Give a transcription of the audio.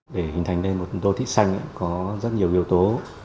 để hình thành nên một đô thị xanh có rất nhiều yếu tố